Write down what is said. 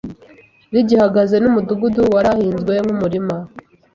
rigihagaze n'umudugudu warahinzwe nk'umurima.